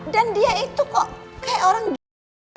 dan dia itu kok kayak orang gini